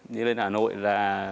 đi lên hà nội là